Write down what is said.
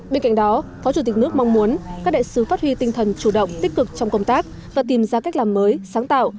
bên cạnh đó phó chủ tịch nước mong muốn các đại sứ phát huy tinh thần chủ động tích cực trong công tác và tìm ra cách làm mới sáng tạo